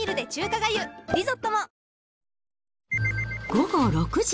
午後６時。